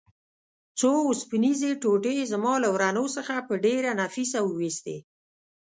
څو اوسپنیزې ټوټې یې زما له ورنو څخه په ډېره نفیسه وه ایستې.